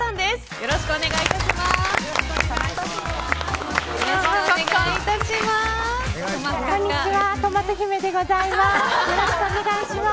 よろしくお願いします。